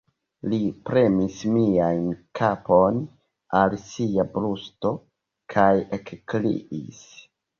Li premis mian kapon al sia brusto kaj ekkriis: